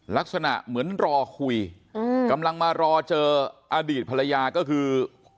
ลักษณะเหมือนรอคุยกำลังมารอเจออดีตภรรยาก็คือ